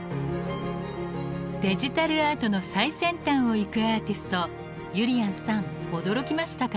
デジタルアートの最先端を行くアーティストゆりやんさん驚きましたか？